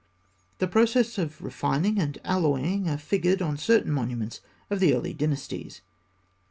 The processes of refining and alloying are figured on certain monuments of the early dynasties.